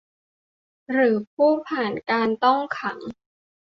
หรือผู้ผ่านการต้องขัง